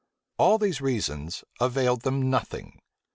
All these reasons availed them nothing.